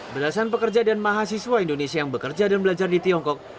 belasan pekerja dan mahasiswa indonesia yang bekerja dan belajar di tiongkok